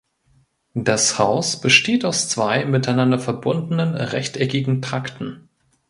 Das Haus besteht aus zwei miteinander verbundenen rechteckigen Trakten.